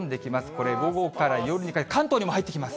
これ、午後から夜にかけて、関東にも入ってきます。